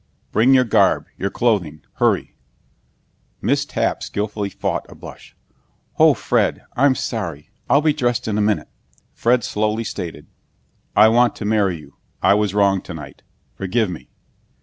"Bring your garb, your clothing. Hurry." Miss Tapp skillfully fought a blush. "Oh, Fred! I'm sorry. I'll be dressed in a minute!" Fred slowly stated, "I want to marry you. I was wrong tonight. Forgive me."